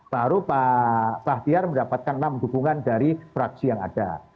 baru pak bahtiar mendapatkan enam dukungan dari fraksi yang ada